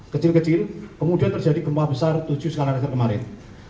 kecil kecil kemudian terjadi gempa besar tujuh skala richter kemarin